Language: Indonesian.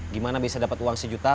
gimana bisa dapat uang sejuta